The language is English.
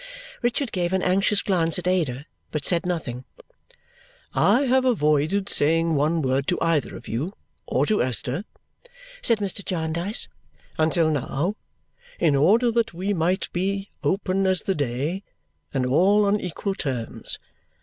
Richard gave an anxious glance at Ada but said nothing. "I have avoided saying one word to either of you or to Esther," said Mr. Jarndyce, "until now, in order that we might be open as the day, and all on equal terms.